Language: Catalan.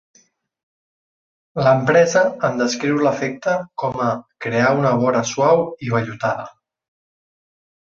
L'empresa en descriu l'efecte com a "crear una vora suau i vellutada".